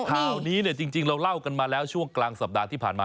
ข่าวนี้เนี่ยจริงเราเล่ากันมาแล้วช่วงกลางสัปดาห์ที่ผ่านมา